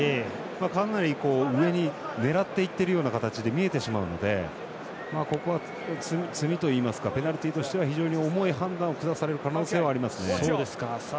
かなり上に狙っていってるような形に見えてしまうのでここは、つみといいますかペナルティとしては非常に重い判断を降される可能性はありますね。